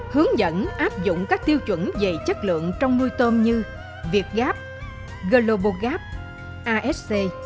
hướng dẫn áp dụng các tiêu chuẩn về chất lượng trong nuôi tôm như vietgap globogap asc